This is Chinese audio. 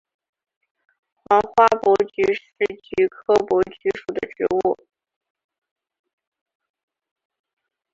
黄花珀菊是菊科珀菊属的植物。